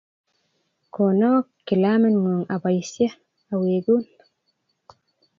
Konon kilaming'ung apoisye, awegun.